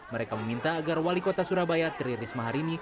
mereka meminta agar wali kota surabaya triris maharini